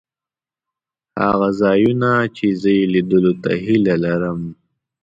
هغه ځایونه چې زه یې لیدلو ته هیله لرم.